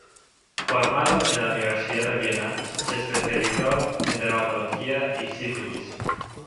Formado en la Universidad de Viena, se especializó en dermatología y sífilis.